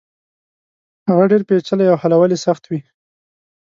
هغه ډېرې پېچلې او حلول يې سخت وي.